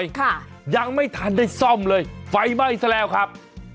ค่ะยังไม่ทันได้ซ่อมเลยไฟไหม้ซะแล้วครับ